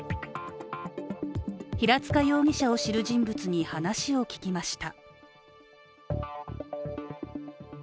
平塚容疑者を知る人物に話を聞きました。